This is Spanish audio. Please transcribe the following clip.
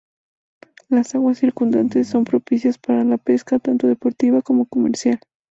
Las aguas circundantes son propicias para la pesca, tanto deportiva como comercial.